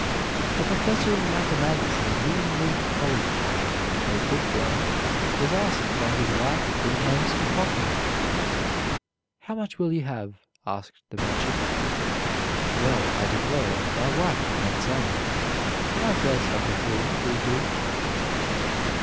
A professor in mathematics in a New England college, a "book worm," was asked by his wife to bring home some coffee. "How much will you have?" asked the merchant. "Well, I declare, my wife did not say, but I guess a bushel will do."